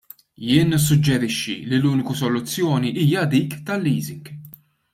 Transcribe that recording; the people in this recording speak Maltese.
Jien nissuġġerixxi li l-unika soluzzjoni hija dik tal-leasing.